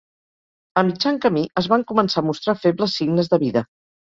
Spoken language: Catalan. A mitjan camí, es van començar a mostrar febles signes de vida.